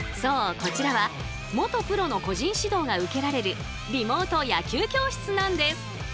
こちらは元プロの個人指導が受けられるリモート野球教室なんです！